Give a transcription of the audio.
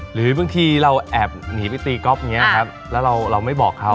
หรือบางทีเราแอบหนีไปตีก๊อฟอย่างนี้ครับแล้วเราไม่บอกเขา